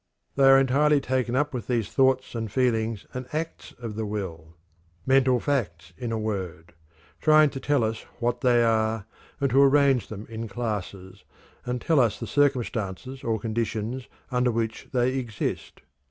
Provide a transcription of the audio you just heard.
They are entirely taken up with these thoughts and feelings and acts of the will, mental facts, in a word, trying to tell us what they are, and to arrange them in classes, and tell us the circumstances or conditions under which they exist.